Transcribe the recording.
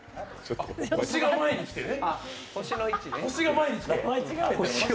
星が前にきてね。